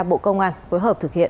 bộ công an phối hợp thực hiện